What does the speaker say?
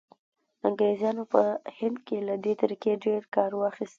انګریزانو په هند کې له دې طریقې ډېر کار واخیست.